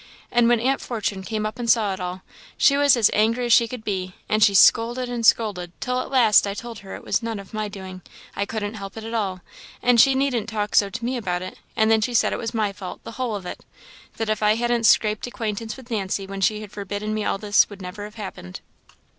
And when Aunt Fortune came up and saw it all, she was as angry as she could be; and she scolded and scolded, till at last I told her it was none of my doing I couldn't help it at all and she needn't talk so to me about it; and then she said it was my fault, the whole of it! that if I hadn't scraped acquaintance with Nancy, when she had forbidden me all this would never have happened."